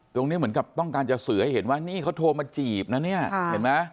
เหมือนกับต้องการจะสื่อให้เห็นว่านี่เขาโทรมาจีบนะเนี่ยเห็นไหม